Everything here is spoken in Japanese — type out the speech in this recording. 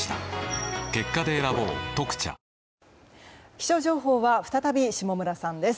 気象情報は再び下村さんです。